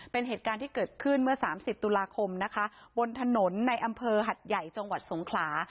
เป็นเหตุการณ์ที่เกิดขึ้นเมื่อ๓๐ตุลาคมนะคะบนถนนในอำเภอหัดใหญ่จังหวัดสงขลา